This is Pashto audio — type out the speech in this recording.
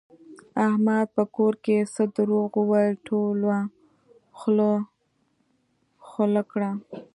احمد په کور کې څه دروغ وویل ټولو خوله خوله کړ.